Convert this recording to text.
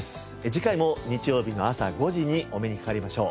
次回も日曜日の朝５時にお目にかかりましょう。